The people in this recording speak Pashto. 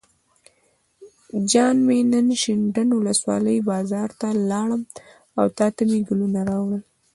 جان مې نن شینډنډ ولسوالۍ بازار ته لاړم او تاته مې ګلونه راوړل.